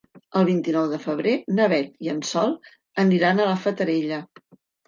El vint-i-nou de febrer na Beth i en Sol aniran a la Fatarella.